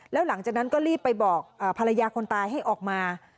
แล้วหลังจากนั้นก็รีบไปบอกภรรยาคนตายให้ออกมา